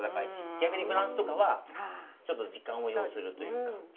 逆にフランスとかはちょっと時間を要するというか。